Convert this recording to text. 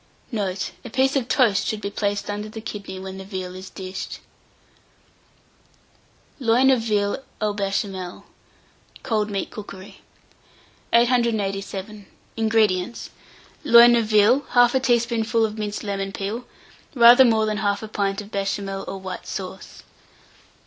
Note. A piece of toast should be placed under the kidney when the veal is dished. LOIN OF VEAL AU BECHAMEL (Cold Meat Cookery). 887. INGREDIENTS. Loin of veal, 1/2 teaspoonful of minced lemon peel, rather more than 1/2 pint of Béchamel or white sauce.